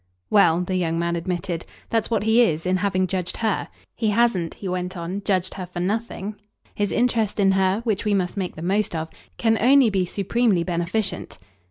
"Well," the young man admitted, "that's what he is in having judged HER. He hasn't," he went on, "judged her for nothing. His interest in her which we must make the most of can only be supremely beneficent."